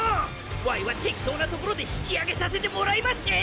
ワイは適当なところで引きあげさせてもらいまっせ！